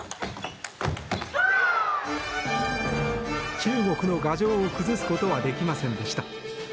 中国の牙城を崩すことはできませんでした。